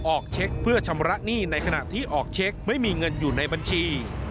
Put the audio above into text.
ออกเช็คเพื่อชำระหนี้ในขณะที่ออกเช็คไม่มีเงินอยู่ในบัญชี